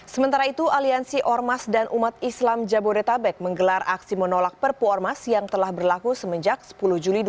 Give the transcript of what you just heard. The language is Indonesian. sementara itu aliansi ormas dan umat islam jabodetabek menggelar aksi menolak perpu ormas yang telah berlaku semenjak sepuluh juli dua ribu dua puluh